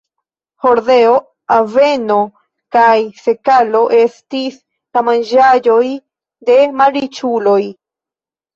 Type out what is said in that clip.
Hordeo, aveno kaj sekalo estis la manĝaĵoj de malriĉuloj.